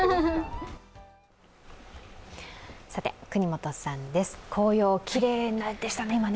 國本さんです、紅葉きれいでしたね。